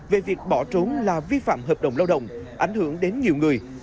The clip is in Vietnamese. về việc bỏ trốn là vi phạm hợp đồng lao động ảnh hưởng đến nhiều người